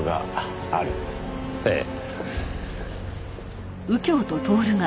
ええ。